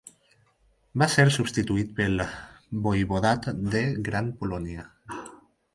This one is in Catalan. Va ser substituït pel voivodat de Gran Polònia.